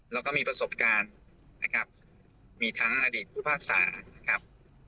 แล้วก็มีประสบการณ์นะครับมีทั้งอดีตผู้พิพากษานะครับ